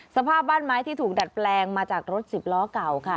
สภาพบ้านไม้ที่ถูกดัดแปลงมาจากรถสิบล้อเก่าค่ะ